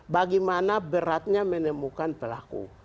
bagaimana beratnya menemukan pelaku